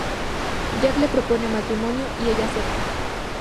Jack le propone matrimonio y ella acepta.